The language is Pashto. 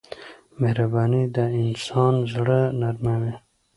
مهرباني د انسان زړه نرموي.